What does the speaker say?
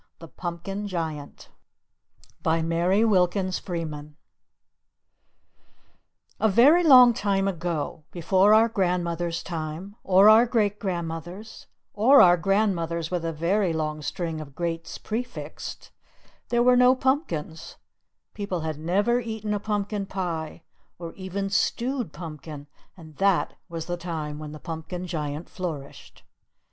THE PUMPKIN GIANT MARY WILKINS FREEMAN A very long time ago, before our grandmother's time, or our great grandmother's, or our grandmothers' with a very long string of greats prefixed, there were no pumpkins; people had never eaten a pumpkin pie, or even stewed pumpkin; and that was the time when the Pumpkin Giant flourished.